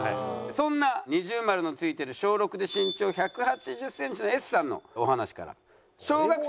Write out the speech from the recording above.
そんな二重丸の付いてる小６で身長１８０センチのＳさんのお話から。